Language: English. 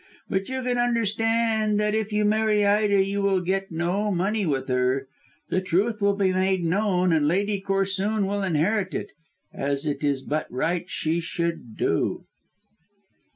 But you can understand that if you marry Ida you will get no money with her. The truth will be made known and Lady Corsoon will inherit it, as it is but right she should do."